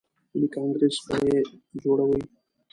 ملي کانګریس به یې جوړوي.